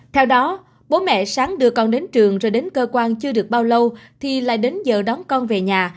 theo đó bố mẹ sáng đưa con đến trường rồi đến cơ quan chưa được bao lâu thì lại đến giờ đón con về nhà